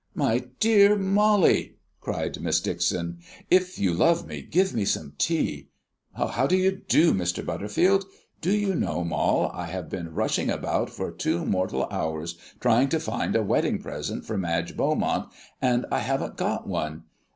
"My Dear Molly," cried Miss Dixon, "if you love me, give me some tea. How do you do, Mr. Butterfield? Do you know, Moll, I have been rushing about for two mortal hours trying to find a wedding present for Madge Beaumont, and I haven't got one!